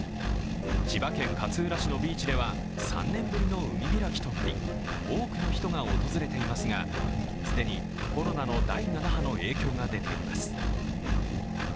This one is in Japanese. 千葉県勝浦市のビーチでは３年ぶりの海開きとなり多くの人が訪れていますが既にコロナの第７波の影響が出ています。